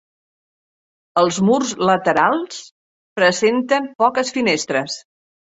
Els murs laterals presenten poques finestres.